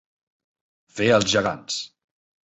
Fer els gegants.